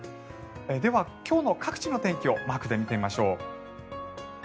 では、今日の各地の天気をマークで見てみましょう。